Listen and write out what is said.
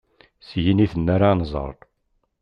S yiniten ara nẓer.